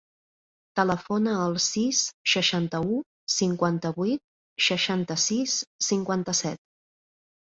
Telefona al sis, seixanta-u, cinquanta-vuit, seixanta-sis, cinquanta-set.